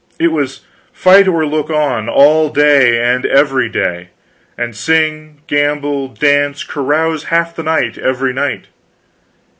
It was fight or look on, all day and every day; and sing, gamble, dance, carouse half the night every night.